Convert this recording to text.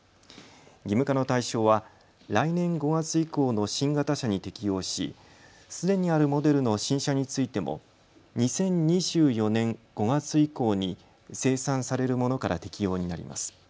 義務化の対象は来年５月以降の新型車に適用し、すでにあるモデルの新車についても２０２４年５月以降に生産されるものから適用になります。